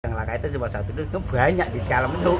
yang lakanya itu cuma satu itu banyak di kalam itu